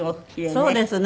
そうですね。